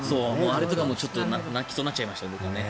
あれとかも泣きそうになっちゃいました。